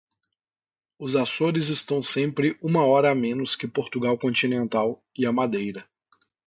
Os Açores estão sempre uma hora a menos que Portugal continental e a Madeira.